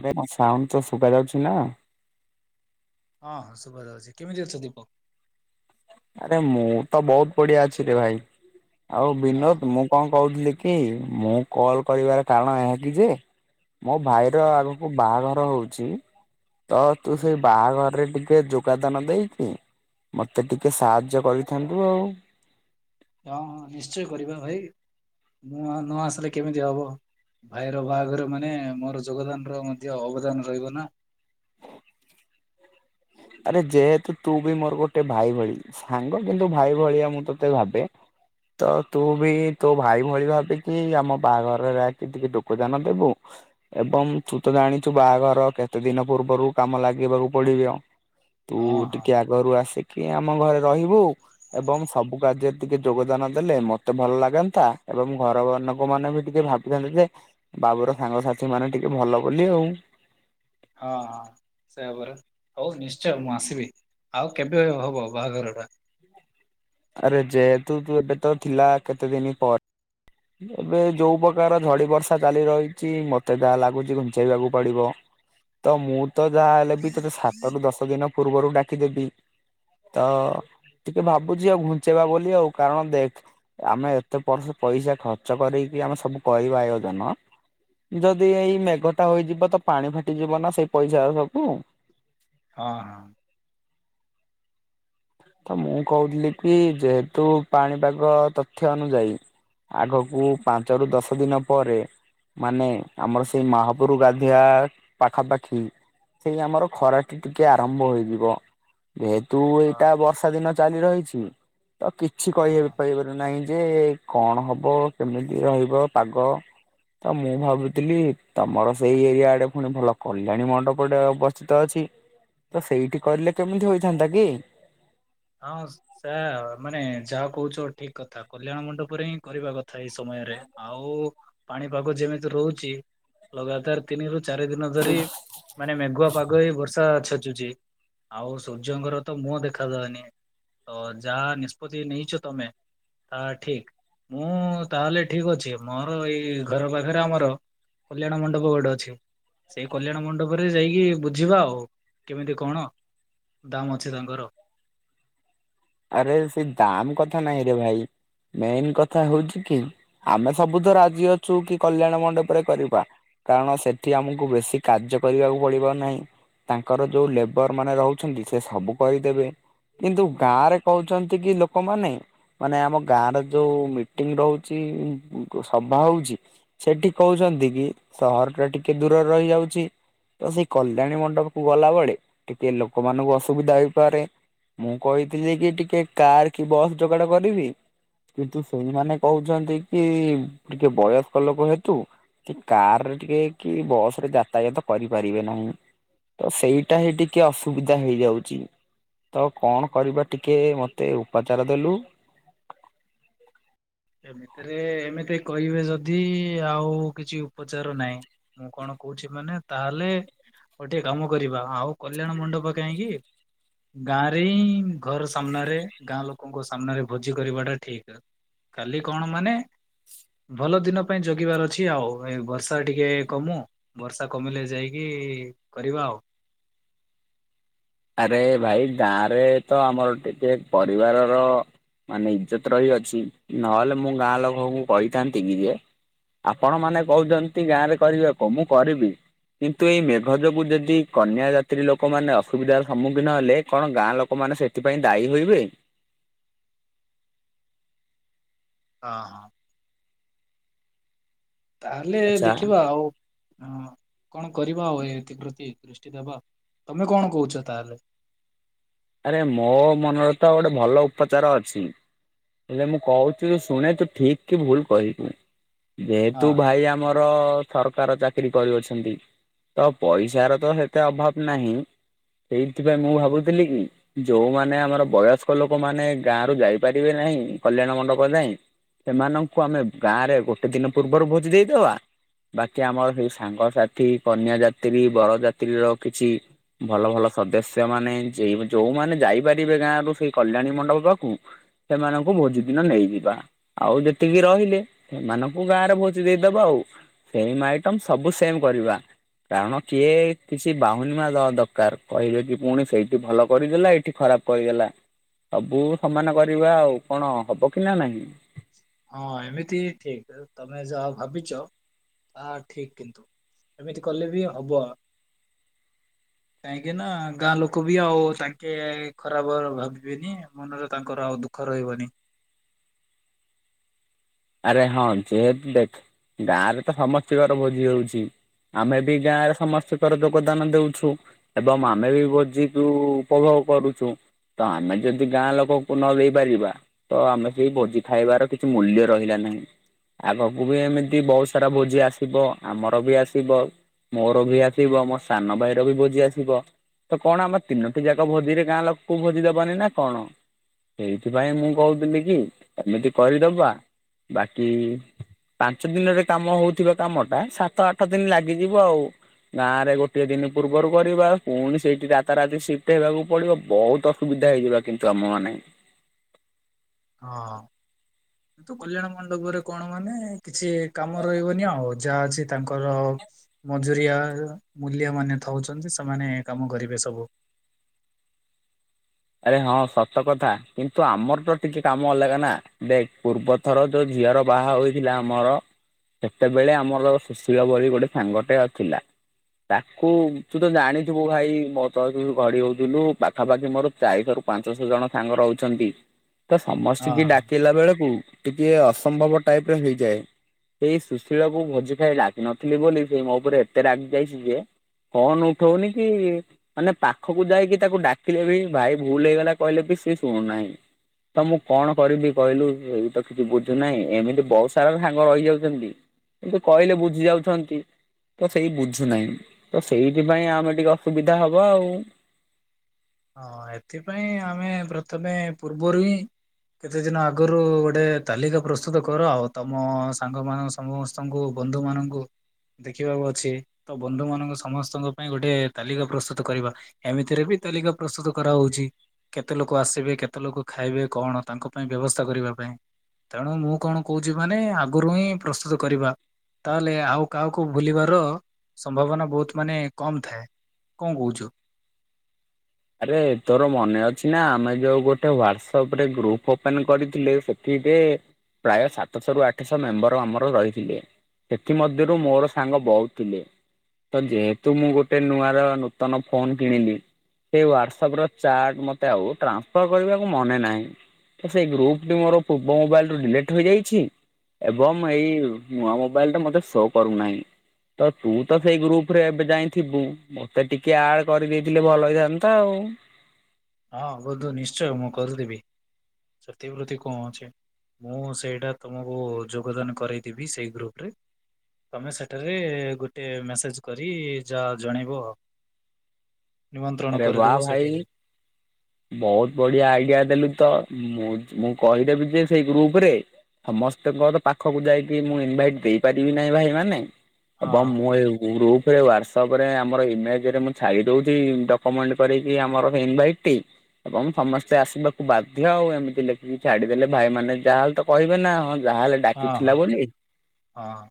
ଆରେ ମୋ ସାଉଣ୍ଡ ତତେ ଶୁବା ଯାଉଛି ନା? ହଁ ହଁ ଶୁଭଯାଉଛି। କେମିତି ଅଛ ଦୀପକ? ଆରେ ମୁଁ ତ ବହୁତ ବଡି଼ଆ ଅଛି ରେ ଭାଇ। ଆଉ ହଁ ବିନୋଦ ମୁଁ କଁ କହୁଥିଲି କି ମୁଁ କଲ୍ କରିବାର କାରଣ ଏହାକି ଯେ ମୋ ଭାଇର ହଁ ଆଉ ବାହାଘର ହଉଚି ତ ତୁ ହୁଁ ସେ ହୁଁ। ବାହାଘରରେ ଟିକେ ଯୋ ପାଦାନ ଦେଇକି ମତେ ଟିକେ ସାହାଯ୍ୟ କରିଥାନ୍ତୁ ଆଉ। ହଁ ହଁ ନିଶ୍ଚୟ କରିବା ଭାଇ। ମୁଁ ଆ ନ ଆସିଲେ କେମିତି ହବ। ଭାଇର ବାହାଘର ମାନେ ମୋର ଯୋଗଦାନର ମଧ୍ୟ ଅବଦାନ ରହିବ ନା। ଆରେ ଯେହେତୁ ତୁ ବି ମୋର ଗୋଟେ ଭାଇ ଭଳି ସାଙ୍ଗ କିନ୍ତୁ ଭାଇ ଭଳିଆ ମୁଁ ତତେ ଭାବେ। ତ ତୁ ବି ତୋ ଭାଇ ଭଳି ଭାବିକି ଆମ ବାହାଘରରେ ଆଇକି ଟିକେ ଟୋକଦାନ ଦେବୁ। ଏବଂ ତୁ ତ ଜାଣିଛୁ ବାହାଘର କେତେ ଦିନ ପୂର୍ବରୁ କାମ ଲାଗିବାକୁ ପଡି଼ବ। ତୁ ହଁ ହଁ। ଟିକେ ଆଗରୁ ଆସିକି ଆମ ଘରେ ରହିବୁ। ଏବଂ ସବୁ କାର୍ଯ୍ୟରେ ଟିକେ ଯୋଗଦାନ ଦେଲେ ମତେ ଭଲ ଲାଗନ୍ତା ଏବଂ ଘରନୋକମାନେ ବି ଟିକେ ଭା ଇଦାଲୁ ଯେ ବାବୁର ସାଙ୍ଗସାଥିମାନେ ଟିକେ ଭଲ ବୋଲି ଆଉ। ହଁ। ସେଇଆ ପରା ହଉ ନିଶ୍ଚୟ ମୁଁ ଆସିବି। ଆଉ କେବେ ହବ ବାହାଘରଟା? ଆରେ ଯେହେତୁ ତୁ ଏବେ ତ ଥିଲା କେତେ ଦିନି ପ ଏବେ ଯୋଉ ପକାର ଝଡ଼ି ବର୍ଷା ଚାଲି ରହିଛି ମତେ ଯାହା ଲାଗୁଚି ଘୁଞ୍ଚେଇବାକୁ ପଡ଼ିବ। ତ ମୁଁ ତ ଯାହା ହେଲେ ବି ତତେ ସାତରୁୁ ଦଶ ଦିନ ପୂର୍ବରୁ ଡାକିଦେବି। ତ ଟିକେ ଭାବୁଚି ଆଉ ଘୁଞ୍ଚେଇବା ବୋଲି ଆଉ କାରଣ ଦେଖ୍ ଆମେ ଏତେ ବର୍ଷ ପଇସା ଖର୍ଚ୍ଚ କରିକି ଆମେ ସବୁ କରିବା ଆୟୋଜନ। ଯଦି ଏଇ ମେଘଟା ହୋଇଯିବ ତ ପାଣି ଫାଟିଯିବ ନା ସେଇ ପଇସା ଆଉ ସବୁ। ହଁ ହଁ। ଅ ମୁଁ କହୁଥିଲି କି ଯେହେତୁ ପାଣିପାଗ ତଥ୍ୟ ଅନୁଯାୟୀ ଆଗକୁ ପାଞ୍ଚରୁ ଦଶ ଦିନ ପରେ ମାନେ ଆମର ସେଇ ମହାପୁରୁ ଗାଧିଆ ପାଖାପାଖି ସେଇ ଆମର ଖରାଟି ଟିକେ ଆରମ୍ଭ ହୋଇଯିବ ଯେହେତୁ ହଁ। ଟା ବର୍ଷା ଦିନ ଚାଲି ରହିଛି ତ କିଛି ହଁ କହି ଏବେ ହଁ। ପାରିବ ନାହିଁ ଯେ କଣ ହବ କେମିତି ରହିବ ପାଗ। ତ ମୁଁ ଭାବୁଥିଲି ତମର ସେଇ ଏରିଆ ଆଡ଼େ ପୁଣି ଭଲ କଲ୍ୟାଣୀ ମଣ୍ଡପଟେ ଅବସ୍ଥିତ ଅଛି। ତ ସେଇଠି କରିଲେ କେମିତି ହୋଇଥାନ୍ତା କି? ହଁ ସେୟା ମାନେ ଯାହା କହୁଛ ଠିକ୍ କଥା କଲ୍ୟାଣ ମଣ୍ଡପରେ ହିଁ କରିବା କ ଥାଏ ସମୟରେ ଆଉ ପାଣିପାଗ ଯେମିତି ରହୁଚି ଲଗାତାର ତିନିରୁ ଚାରି ଦିନ ଧରି ମାନେ ମେଘୁଆ ପାଗ ହେଇ ବର୍ଷା ଛେଚୁଚି ଆଉ ସୂର୍ଯ୍ୟଙ୍କର ତ ମୁହଁ ଦେଖାଦଉନି। ଓ ଯାହା ନିଷ୍ପତି ନେଇଛ ତମେ ତା ଠିକ୍। ମୁଁ ତାହେଲେ ଠିକ୍ ଅଛି ମୋର ଏଇ ଘର ପାଖରେ ଆମର କଲ୍ୟାଣ ମଣ୍ଡପ ଗୋଟେ ଅଛି। ସେଇ କଲ୍ୟାଣ ମଣ୍ଡପରେ ଯାଇକି ବୁଝିବା ଆଉ କେମିତି କଣ ଦାମ୍ ଅଛି ତାଙ୍କର। ଆରେ ସେଇ ଦାମ୍ କଥା ନାହିଁରେ ଭାଇ। ମେନ୍ କଥା ହଉଛି କି ଆମେ ସବୁ ତ ରାଜି ଅଛୁ କି କଲ୍ୟାଣ ମଣ୍ଡପରେ କରିବା। କାରଣ ସେଠି ଆମୁକୁ ବେଶି କାର୍ଯ୍ୟ କରିବାକୁ ପଡ଼ିବ ନାହିଁ। ତାଙ୍କର ଯୋଉ ଲେବର ମାନେ ରହୁଛନ୍ତି ସେ ସବୁ କରିଦେବେ। କିନ୍ତୁ ଗାଁରେ କହୁଛନ୍ତି କି ଲୋକମାନେ ମାନେ ଆମ ଗାଁ ର ଯୋଉ ମିଟିଂ ରହୁଛି ସଭା ହଉଛି ସେଠି କହୁଛନ୍ତି କି ସହର ଟା ଟିକେ ଦୂରରେ ରହିଯାଉଛି। ତ ସେଇ କଲ୍ୟାଣୀ ମଣ୍ଡପ କୁ ଗଲା ବଳେ ଟିକେ ଲୋକମାନଙ୍କୁ ଅସୁବିଧା ହେଇପାରେ। ମୁଁ କହିଥିଲି କି ଟିକେ କାର କି ବସ୍ ଯୋଗାଡ କରିବି। କିନ୍ତୁ ସେଇମାନେ କହୁଛନ୍ତି କି ଟିକେ ବୟସ୍କ ଲୋକ ହେତୁ କାରରେ ଟିକେ କି ବୟସରେ ଜାତ ୟତ କରିପାରିବେ ନାଇଁ ତ ସେଇଟା ହିଁ ଟିକେ ଅସୁବିଧା ହେଇଯାଉଛି ତ କଣ କରିବା ଟିକେ ଟିକେ ମୋତେ ଉପଚାର ଦେଲୁ। ଏମିତିରେ ଏମିତି କହିବେ ଯଦି ଆଉ କିଛି ଉପଚାର ନାହିଁ। ମୁଁ କଣ କହୁଛି ମାନେ ତାହେଲେ ଗୋଟେ କାମ କରିବା ଆଉ କଲ୍ୟାଣ ମଣ୍ଡପ କାହିଁକି? ଗାଁରେ ହିଁ ଘର ସାମ୍ନାରେ ଗାଁ ଲୋକଙ୍କ ସାମ୍ନାରେ ଭୋଜି କରିବାଟା ଠିକ? ଖାଲି କଣ ମାନେ? ଭଲ ଦିନ ପାଇଁ ଜଗିବାର ଅଛି ଆଉ ଏ ବର୍ଷା ଟିକେ କମୁ। ବର୍ଷା କମିଲେ ଯାଇକି କରିବା ଆଉ। ଆରେ ଭାଇ ଗାଁରେ ତ ଆମର ଟିକେ ପରିବାରର। ମାନେ ଇଜ୍ଜତ ରହିଅଛି ନହେଲେ ମୁଁ ଗାଁ ଲୋକଙ୍କୁ କହିଥାନ୍ତି କି ଯେ? ଆପଣ ମାନେ କହୁଛନ୍ତି ଗାଁ ରେ କରିବାକୁ ମୁଁ କରିବି। କିନ୍ତୁ ଏଇ ମେଘ ଯୋଗୁ ଯଦି କନ୍ୟା ଯାତ୍ରୀ ଲୋକମାନେ ଅ ଅସୁବିଧାର ସମ୍ମୁଖୀନ ହେଲେ କଣ ଗାଁ ଲୋକମାନେ ସେଥିପାଇଁ ଦାୟୀ ହୋଇବେ? ହଁ ହଁ। ତାହେଲେ ଆଚ୍ଛା ଦେଖିବ ଆଉ ହଁ କଣ କରିବା ଆଉ ଏ ଏତିକତି ଦୃଷ୍ଟି ଦେବା ତମେ କଣ କହୁଛ ତାହେଲେ। ଆରେ ମୋ ମନରେ ତ ଗୋଟେ ଭଲ ଉପଚାର ଅଛି। ହେଲେ ମୁଁ କହୁଛିୁ ଶୁଣେ ତୁ ଠିକ କି ଭୁଲ କହିବୁ ହଁ। ଯେହେତୁ ଭାଇ ଆମର ସରକାର ଚାକିରି କରିଅଛନ୍ତି। ତ ପଇସାର ତ ସେତେ ଅଭାବ ନାହିଁ ସେଇଥିପାଇଁ ମୁଁ ଭାବୁଥିଲି କି? ଯୋଉମାନେ ଆମର ବୟସ୍କ ଲୋକମାନେ ଗାଁ ରୁ ଯାଇପାରିବେ ନାହିଁ କଲ୍ୟାଣ ମଣ୍ଡପ ଯାଏ। ସେମାନଙ୍କୁ ଆମେ ଗାଁ ରେ ଗୋଟେ ଦିନ ପୂର୍ବରୁ ଭୋଜି ଦେଇଦବା। ବାକି ଆମର ସେଇ ସାଙ୍ଗସାଥି କନ୍ୟା ଯାତ୍ରୀ ବରଯାତ୍ରୀର କିଛି ଭଲ ଭଲ ସଦସ୍ୟ ମାନେ ଯେ ଯୋଉମାନେ ଯାଇପାରିବେ ଗାଁ ରୁ ସେଇ କଲ୍ୟାଣୀ ମଣ୍ଡପ ପାକୁ ସେମାନଙ୍କୁ ଭୋଜି ଦିନ ନେଇଯିବା। ଆଉ ଯେତିକି ରହିଲେ ସେମାନଙ୍କୁ ଗାଁରେ ଭୋଜି ଦେଇଦବ ଆଉ। ସେମ୍ ଆଇଟମ୍ ସବୁ ସେମ୍ କରିବା। କାରଣ କିଏ କିଛି ବାହୁନିବା ନ ଦରକାର କହିଲେ କି ପୁଣି ସେଇଠି ଭଲ କରିଦେଲା ଏଇଠି ଖରାପ କରିଦେଲା ସବୁ ସମାନ କରିବା ଆଉ କଣ ହବ କି ନା ନାହିଁ? ହଁ ଏମିତି ଠିକ ତମେ ଯାହା ଭାବିଛ ତାହା ଠିକ କିନ୍ତୁ। ଏମିତି କଲେ ବି ହବ? କାହିଁକି ନା ଗାଁ ଲୋକ ବି ଆଉ ତାଙ୍କେ ଖରାପ ଭାବିବେନି ମନରେ ତାଙ୍କର ଆଉ ଦୁଃଖ। ଦୁଃଖ ରହିବନି। ଆରେ ହଁ ଯେହେତୁ ଦେଖ ଗାଁ ରେ ତ ସମସ୍ତଙ୍କର ଭୋଜି ହଉଛି। ଆମେ ବି ଗାଁ ରେ ସମସ୍ତଙ୍କର ଯୋଗଦାନ ଦଉଛୁ। ଏବଂ ଆମେ ବି ଭୋଜିକୁ ଉପଭୋଗ କରୁଛୁ। ତ ଆମେ ଯଦି ଗାଁ ଲୋକଙ୍କୁ ନ ଦେଇେଇ ପାରିବା ତ ଆମେ ସେଇ ଭୋଜି ଖାଇବାର କିଛି ମୂଲ୍ୟ। ରହିଲା ନାହିଁ ଆଗକୁ ବି ଏମିତି ବହୁତ ସାରା ଭୋଜି ଆସୁଥୁବ ଆମର ବି ଆସୁଥାଉ। ମୋର ବି ଆସିବ ମୋ ସାନ ଭାଇର ବି ଭୋଜି ଆସିବ। ତ କଣ ଆମ ତିନୋଟି ଯାକ ଭୋଜିରେ ଗାଁ ଲୋକକୁ ଭୋଜି ଦବାନେହିଁ ନା କଣ? ସେଇଥିପାଇଁ ମୁଁ କହୁଥିଲି କି ଏମିତି କରିଦବା। ବାକି। ପାଞ୍ଚ ଦିନରେ କାମ ହଉଥିବା କାମ ଟା ସାତ ଆଠ ଦିନି ଲାଗିଯିବ ଆଉ। ଗାଁ ରେ ଗୋଟିଏ ଦିନି ପୂର୍ବରୁ କରିବା ପୁଣି ସେଇଠି ରାତାରାତି ସିଫ୍ଟୀ ହେବାକୁ ପଡିବ ବହୁତ ଅ। ସୁବିଧା ହେଇଯିବା କିନ୍ତୁ ଆମ ମାନେ। ହଁ କିନ୍ତୁ କଲ୍ୟାଣ ମଣ୍ଡପରେ କଣ ମାନେ କିଛି କାମ ରହିବନି ଆଉ। ଯାହା ଅଛି ତାଙ୍କର। ମଜୁରିଆ ମୂଲିଆ ମାନେ ଥାଉଛନ୍ତି ସେମାନେ କାମ କରିବେ ସବୁ। ଆରେ ହଁ ସତ କଥା କିନ୍ତୁ ଆମର ତ ଟିକେ କାମ ଅଲଗା ନା ଦେ ପୂର୍ବରୁ। ଥର ଯୋଉ ଝିଅର ବାହା ହୋଇଥିଲା ଆମର। ସେତେବେଳେ ଆମର ସୁଶୀଳ ବୋଲି ଗୋଟେ ସାଙ୍ଗଟେ ଅଥିଲା। ତାକୁ ତୁ ତ ଜାଣିଥିବୁ ଭାଇ ମୋ ତ ଯୁ ଘଡି ହଉଥୁଲୁ ପାଖାପାଖି ମୋର। ଚାରିଶହ ରୁ ପାଞ୍ଚଶହ ଜଣ ସାଙ୍ଗ ରହୁଛନ୍ତି ତ ହଁ ସମସ୍ତି କି ଡାକି। ହେଲା ବେଳକୁ ଟିକେ ଅସମ୍ଭବ ଟାଇପିରେ ହେଇଯାଏ। ଏଇ ସୁଶୀଳ କୁ ଭୋଜି ଖାଇ ଡକନଥିଲି ବୋଲି ସେ ମୋ ଉପରେ ଏତେ ରାଗି ଯାଇଛି ଯେ। ଫୋନ୍ ଉଠଉନି କି, ମାନେ ପାଖକୁ ଯାଇକି ତାକୁ ଡାକିଲେ ବି ଭାଇ ଭୁଲ ହେଇଗଲା କହିଲେ ବି ସିଏ ଶୁଣୁନାହିଁ। ତ ମୁଁ କଣ କରିବି କହିଲୁ, ଏଇ ତ କିଛି ବୁଝୁନାହିଁ ଏମିତି ବହୁତ ସାରା ସାଙ୍ଗ ରହିଯାଉଚନ୍ତି। କିନ୍ତୁ କହିଲେ ବୁଝି ଯାଉଛନ୍ତି। ତ ସେଇ ବୁଝୁନାହିଁ, ତ ସେଇଥିପାଇଁ ଆମେ ଟିକେ ଅସୁବିଧା ହବ ଆଉ। ହଁ ଏଥିପାଇଁ ଆମେ ପ୍ରଥମେ ପୂର୍ବରୁ ହିଁ କେତେ ଦିନ ଆଗରୁ ଗୋଟେ ତାଲିକା ପ୍ରସ୍ତୁତ କର ଆଉ ତମ ସାଙ୍ଗ ମାନଙ୍କ ସ ସମସ୍ତଙ୍କୁ ବନ୍ଧୁ ମାନଙ୍କୁ। ଦେଖିବାକୁ ଅଛି, ତ ବନ୍ଧୁ ମାନଙ୍କ ସମସ୍ତଙ୍କ ପାଇଁ ଗୋଟେ ତାଲିକା ପ୍ରସ୍ତୁତ କରିବା। ଏମିତିରେ ବି ତାଲିକା ପ୍ରସ୍ତୁତ କରାହଉଛି। କେତେ ଲୋକ ଆସିବେ, କେତେ ଲୋକ ଖାଇବେ କଣ ତାଙ୍କ ପାଇଁ ବ୍ୟବସ୍ଥା କରିବା ପାଇଁ। ତେଣୁ ମୁଁ କଣ କହୁଛି କହନି ଆଗରୁ ହିଁ ପ୍ରସ୍ତୁତ କରିବା। ତାହେଲେ ଆଉ କାହାକୁ ଭୁଲିବାର ସମ୍ଭାବନା ବହୁତ ମାନେ କମ ଥାଏ। କଣ କହୁଚୁ? ଆରେ ତୋର ମନେ ଅଛି ନା, ଆମେ ଯୋଉ ଗୋଟେ ୱରସପ୍ ରେ ଗ୍ରୁପ ଓପନ କରିଥିଲେ। ସେ ସେଥିରେ, ପ୍ରାୟ ସାତଶହ ରୁ ଆଠଶହ ମେମ୍ବର ଆମର ରହିଥିଲେ। ସେଥି ମଧ୍ୟରୁ ମୋର ସାଙ୍ଗ ବହୁତୁ ଥିଲେ। ତ ଯେହେତୁ ମୁଁ ଗୋଟେ ନୂଆ ରା ନୂତନ ଫୋନ୍ କିଣିଲି। ସେଇ ୱରସପ୍ ରେ ଚାଟ୍ ମତେ ଆଉ ଟ୍ରାନ୍ସଫର୍ କରିବାକୁ ମନେ ନାହିଁ। ତ ସେଇ ଗ୍ରୁପ ଟି ମୋର ପୂର୍ବ ମୋବାଇଲୁରୁ ଡିଲିଟ୍ ହେଇଯାଇଛି। ଆଜ୍ଞା ମୁଁ ଏଇ ନୂଆ ମୋବାଇଲ୍ ଟା ମତେ ଶୋ କରୁନାହିଁ। ତ ତୁ ତ ସେଇ ଗ୍ରୁପ ରେ ଏବେ ଯାଇଥିବୁ, ମତେ ଟିକେ ଆଡ୍ କରିଦେଇଥିଲେ ଭଲ ହେଇଥା ତଅ ଉଁ। ହଁ ଯିବୁ ନିଶ୍ଚୟ ମୁଁ କରିଦେବି ସେତି ପ୍ରତ୍ତି କଣ ଅଛି। ମୁଁ ସେଇଟା ତୁମକୁ ଯୋଗଦାନ କରେଇଦବି ସେଇ ଗ୍ରୁପ ରେ। ତମେ ସେଠାରେ ଗୋଟେ ମେସେଜେ୍ କରି ଯାହା ଜଣେଇବ। ନିମନ୍ତ୍ରଣ ଆରେ ବା କରିଦେବ ଭାଇ ସେଠି। ବହୁତ ବଢିଆ ଆଇଡିଆ ଦେଲୁ ତ, ମୁଁ ମୁଁ କହିଦେବି ଯେ ସେଇ ଗ୍ରୁପ ରେ। ସମସ୍ତେଙ୍କର ପାଖକୁ ଯାଇକି ମୁଁ ଇନଭାଇଟ ଦେଇପାରିବି ନାହିଁ ଭାଇମାନେ। ହଁ ଏବଂ ମୁଁ ଏ ଗ୍ରୁପରେ ହ୍ଵାରସପ ରେ ଆମର ଇମେଜ ରେ ମୁଁ ଛାଡି ଦଉଛି ଡ କମେଣ୍ଟ କରିକି ଆମର ଇନଭାଇଟ ଟି। ଏବଂ ସମସ୍ତେ ଆସିବାକୁ ବାଧ୍ୟ ଆଉ, ଏମିତି ଲେଖିକି ଛାଡିଦେଲେ ଭାଇ ମାନେ ଯାହାହେଲେ ତ କହିବେ ନା ହଁ ଯାହାଲେ। ହଁ ହଁ ଡାକିଥିଲା ବୋଲି। ହଁ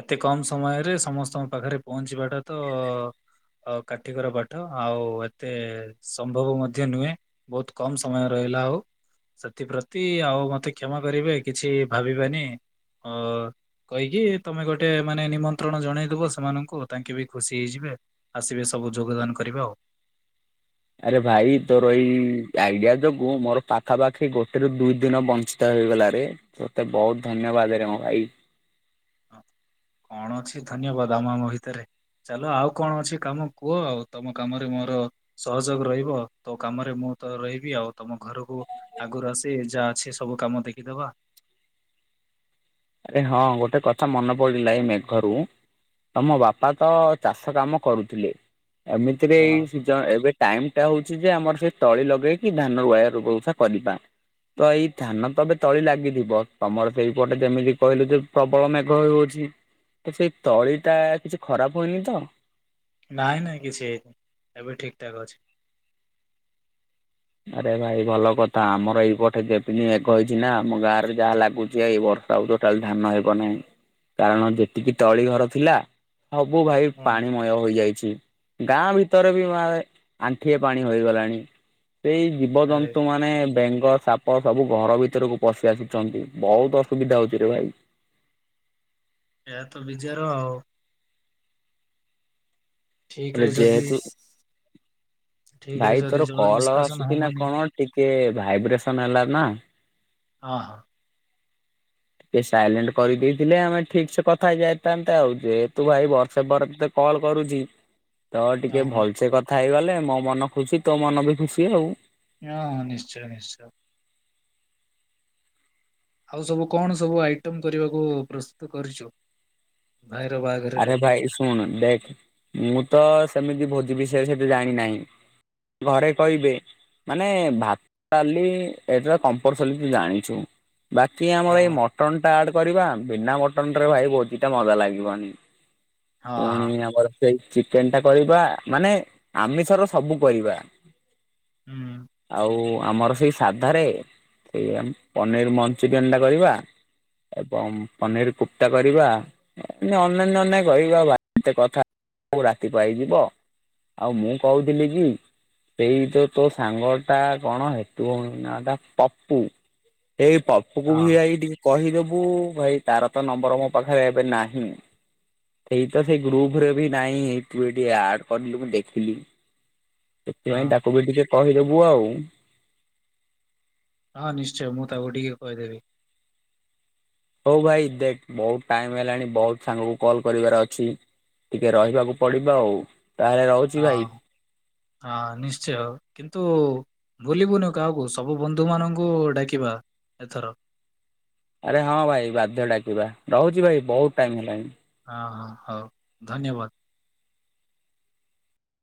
ଏତେ କମ୍ ସମୟରେ ସମସ୍ତଙ୍କ ପାଖରେ ପହଞ୍ଚିବାଟା ତ। ଅ କାଠିକର ପାଠ ଆଉ ଏତେ ସମ୍ଭବ ମଧ୍ୟ ନୁହେଁ। ବହୁତ୍ କମ ସମୟ ରହିଲା ଆଉ। ସେଥିପ୍ରତି, ଆଉ ମତେ କ୍ଷମା କରିବେ କିଛି ଭାବିବେନି ଅ। କହିକି ତମେ ଗୋଟେ ମାନେ ନିମନ୍ତ୍ରଣ ଜଣେଇଦବ ସେମାନଙ୍କୁ ତାଙ୍କେ ବି ଖୁସି ହେଇଯିବେ। ଆସିବେ ସବୁ ଯୋଗଦାନ କରିବେ ଆଉ। ଆରେ ଭାଇ ତୋର ଏଇ ଆଇଡିଆ ଯୋଗୁ ମୋର ପାଖାପାଖି ଗୋଟେରୁୁ ଦୁଇ ଦିନ ବଞ୍ଚ ଞ୍ଚିତ ହେଇଗଲା ରେ, ତତେ ବହୁତ ଧନ୍ୟବାଦରେ ମୋ ଭାଇ। ହଁ କଣ ଅଛି ଧନ୍ୟବାଦ ଆମ ଆମ ଭିତରେ। ଚାଲ ଆଉ କଣ ଅଛି କାମ କୁହ ଆଉ ତମ କାମରେ ମୋର। ସହଯୋଗ ରହିବ, ତୋ କାମରେ ମୁଁ ତ ରହିବି ଆଉ ତମ ଘରକୁ। ଆଗରୁ ଆସି ଯାହା ଅଛି ସବୁ କାମ ଦେଖିଦବା। ଆରେ ହଁ ଗୋଟେ କଥା ମନେ ପଡିଲା ଏଇ ମେଘରୁ। ତମ ବାପା ତ ଚାଷ କାମ କରୁଥିଲେ ଏମିତିରେ ଏଇ ହଁ ସି ତ ଏବେ ଟାଇମ ଟା ହଉଛି ଯେ ଆମର ସେ ତଳି ଲଗେଇକି ଧାନ ରୁଆ ରୁଗ ଉଛା କରିବା। ତ ଏଇ ଧାନ ତ ଏବେ ତଳି ଲାଗିଥିବ, ତମର ସେଇପଟେ ଯେମିତି କହିଲୁ ଯେ ପ୍ରବଳ ମେଘ ହେଉଅଛି। ତ ସେଇ ତଳି ଟା କିଛି ଖରାପ ହୁଏନି ତ। ନାଇଁ ନାଇଁ କିଛି ହେଇନି ଏବେ ଠିକ ଠାକ୍ ଅଛି। ଆରେ ଭାଇ ଭଲ କଥା ଆମର ଏଇପଟେ ଯେତିକି ମେଘ ହେଇଛି ନା ଆମ ଗାଁ ରେ ଯାହା ଲାଗୁଛି ଏଇ ବର୍ ଆଉ ଟୋଟାଲି ଧାନ ହେବ ନାହିଁ କାରଣ ଯେତିକି ତଳି ଘର ଥିଲା। ସବୁ ଭାଇ ହୁଁ ପାଣି ମ ଧ୍ୟ ହୋଇଯାଇଛି ଗାଁ ଭିତରେ ବି ମା ଆଣ୍ଠିଏ ପାଣି ହୋଇଗଲାଣି। ସେଇ ଜୀବ ଆରେ ଜନ୍ତୁ ମାନେ ବେଙ୍ଗ ସାପ। ସବୁ ଘର ଭିତରକୁ ପଶି ଆସିଛନ୍ତି ବହୁତ ଅସୁବିଧା ହଉଛି ରେ ଭାଇ। ଏଇଆ ତ ବିଜାର ଆଉ। ଠିକ୍ ରେ ଯଦି ଠିକ୍ ଭାଇ ରେ ତୋର ଯଦି ଜଳ କଲ ନିଷ୍କାସନ ଆସୁଛି ନା ହବନି। କଣ ଟିକେ ଭାଇବ୍ରେସନ ହେଲା ନା। ହ ହଁ। ଟିକେ ସାଇଲେଣ୍ଟ କରି ଦେଇଥିଲେ ଆମେ ଠିକ ସେ କଥା ହେଇ ଯାଇଥାନ୍ତେ ଆଉ ଯେହେତୁ ଭାଇ ବର୍ଷେ ପରେ ତତେ କଲ୍ କରୁଛି। ତ ଟିକେ ହଁ ଭଲସେ କଥା ହେଇଗଲେ ମୋ ମନ ଖୁସି ତୋ ମନ ବି ଖୁସି ଆଉ। ହଁ ହଁ ନିଶ୍ଚୟ ନିଶ୍ଚୟ। ଆଉ ସବୁ କଣ ସବୁ ଆଇଟମ କରିବାକୁ ପ୍ରସ୍ତୁତ କରିଛୁ। ଭାଇର ବାହାଘର। ଆରେ ଭାଇ ଶୁଣ ଦେଖ ମୁଁ ତ ସେମିତି ଭୋଜି ବିଷୟରେ ସେତେ ଜାଣିନାହିଁ। ଘରେ କହିବେ। ମାନେ ଭାଲି ଡାଲି ଏଇଟା କମ୍ପରସଲି ତୁ ଜାଣିଛୁ। ବାକି ଆମର ଏଇ ହଁ ମଟନ ଟା ଆଡ କରିବା ବିନା ମଟନ ରେ ଭାଇ ଭୋଜି ଟା ମଜା ଲାଗିବନି। ହଁ ହଁ ପୁଣି ଆମର ସେଇ ଚିକେନ ଟା କରିବା ମାନେ ଆମିଷର ସବୁ କରିବା। ଉଁ। ଆଉ ଆମର ସେଇ ସାଧାରେ ସେଇ ଆମ୍ ପନିର ମନ୍ଞ୍ଚୁରିୟାନ ଟା କରିବା। ଏବଂ ପନିର କୁପ୍ତା କରିବା। [unintelligible] ରାତି ପାହିଯିବ। ଆଉ ମୁଁ କହୁଥିଲି କି ସେଇ ଭିତରେ ତୋ ସାଙ୍ଗ ଟା କଣ [unintelligible] ନାଁ ଟା ପପୁ। ହେଇ ପପୁକୁ ବି ହଁ ଯାଇ ଟିକେ କହିଦବୁ ଭାଇ ତାର ତ ନମ୍ବର ମୋ ପାଖରେ ଏବେ ନାହିଁ। ଏଇ ତ ସେଇ ଗ୍ରୁପ୍ ରେ ବି ନାହିଁ ତୁ ଏଇଠି ଆଡ୍ କରିଲୁ ମୁଁ ଦେଖିଲି। ହଁ ସେଥିପାଇଁ ତାକୁ ବି ଟିକେ କହିଦବୁ ଆଉ। ହଁ ନିଶ୍ଚୟ ମୁଁ ତାକୁ ଟିକେ କହିଦେବି। ହଉ ଭାଇ ଦେଖ୍ ବହୁତ୍ ଟାଇମି ହେଲାଣି ବହୁତ୍ ସାଙ୍ଗକୁ କଲ୍ କରିବାର ଅଛି। ଟିକେ ରହିବାକୁ ପଡିବ ଆଉ। ତାହେଲେ ରହୁ ହଁ। ହଁ ନିଶ୍ଚୟ। କିନ୍ତୁ ଭୁଲିବୁନୁ କାହାକୁ, ସବୁ ବନ୍ଧୁ ମାନଙ୍କୁ ଡାକିବା ଏଥର। ଆରେ ହଁ ଭାଇ ବାଧ୍ୟ ଡାକିବା। ରହୁଚି ଭାଇ ବହୁତ୍ ଟାଇମ୍ ହେଲାଣି। ହଁ ହଁ ହଉ ଧନ୍ୟବାଦ।